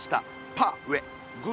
パー上。